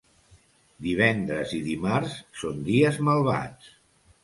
Divendres i dimarts són dies malvats.